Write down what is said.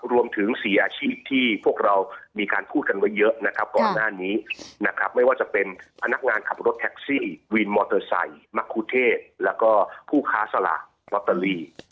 รวมถึง๔อาชีพที่พวกเรามีการพูดกันไว้เยอะนะครับก่อนหน้านี้นะครับไม่ว่าจะเป็นพนักงานขับรถแท็กซี่วินมอเตอร์ไซค์มะคูเทศแล้วก็ผู้ค้าสลากลอตเตอรี่